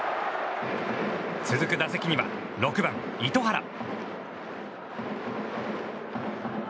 続く打席には６番、糸原。